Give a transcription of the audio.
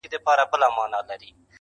یو داسې شاعر دی